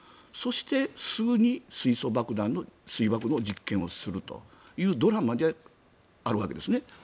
そしてすぐに水素爆弾の水爆の実験をするというドラマであるわけです。